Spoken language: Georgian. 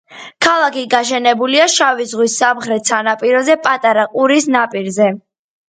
ქალაქი გაშენებულია შავი ზღვის სამხრეთ სანაპიროზე, პატარა ყურის ნაპირზე.